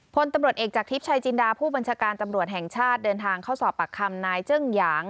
พลตำรวจเอกจากทริปชายจินดาผู้บัญชาการตำรวจแห่งชาติเดินทางเข้าสอบปากคำนายเจิ้งหยาง